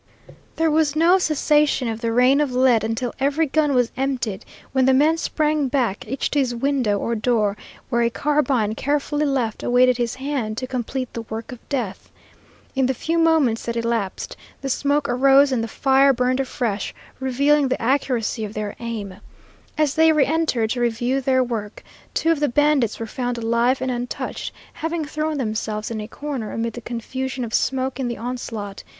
There was no cessation of the rain of lead until every gun was emptied, when the men sprang back, each to his window or door, where a carbine, carefully left, awaited his hand to complete the work of death. In the few moments that elapsed, the smoke arose and the fire burned afresh, revealing the accuracy of their aim. As they reëntered to review their work, two of the bandits were found alive and untouched, having thrown themselves in a corner amid the confusion of smoke in the onslaught.